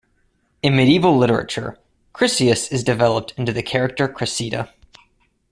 In medieval literature, Chryseis is developed into the character Cressida.